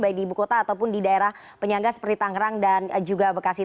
baik di ibu kota ataupun di daerah penyangga seperti tangerang dan juga bekasi